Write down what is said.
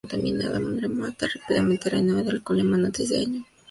Andrea mata rápidamente al reanimado Coleman antes de que pueda hacerle daño.